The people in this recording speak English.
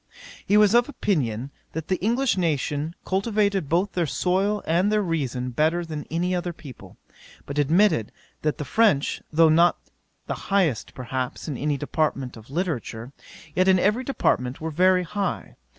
'He was of opinion, that the English nation cultivated both their soil and their reason better than any other people: but admitted that the French, though not the highest, perhaps, in any department of literature, yet in every department were very high.